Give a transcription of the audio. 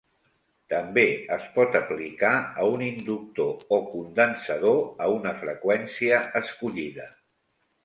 També es pot aplicar a un inductor o condensador a una freqüència escollida.